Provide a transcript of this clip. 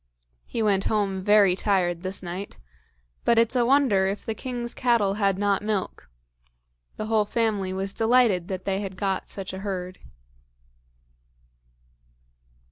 He went home very tired this night, but it's a wonder if the king's cattle had not milk. The whole family was delighted that they had got such a herd.